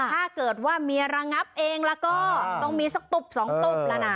ถ้าเกิดว่าเมียระงับเองแล้วก็ต้องมีสักตุ๊บสองตุ๊บแล้วนะ